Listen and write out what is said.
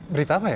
berita apa ya